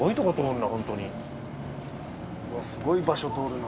うわすごい場所通るな。